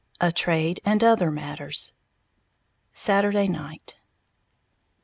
VI A TRADE AND OTHER MATTERS _Saturday Night.